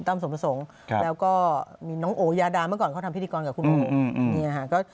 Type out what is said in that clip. สมประสงค์แล้วก็มีน้องโอยาดาเมื่อก่อนเขาทำพิธีกรกับคุณหมอ